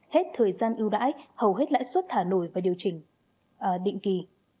hết thời gian ưu đãi hầu hết lãi suất thả nổi và điều chỉnh định kỳ